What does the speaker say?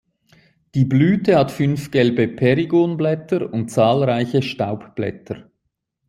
Die Blüte hat fünf gelbe Perigonblätter und zahlreiche Staubblätter.